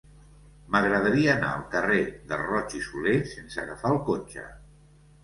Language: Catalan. M'agradaria anar al carrer de Roig i Solé sense agafar el cotxe.